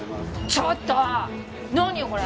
ちょっと何よこれ！